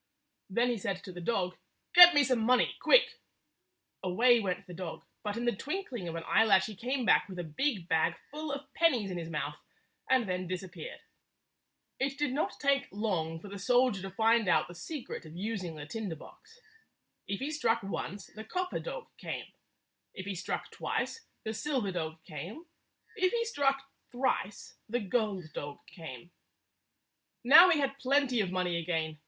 Then he said to the dog, "Get me some money, quick !" Away went the dog, but in the twinkling of an eyelash he came back with a big bag full of pennies in his mouth, and then disappeared. It did not take long for the soldier to find out the secret of using the tinder box. If he struck once, the copper dog came; if he struck twice, the silver dog came ; if he struck thrice, the gold dog came. Now he had plenty of money again.